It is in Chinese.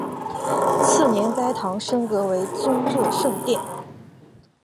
次年该堂升格为宗座圣殿。